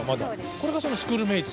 これがそのスクールメイツ。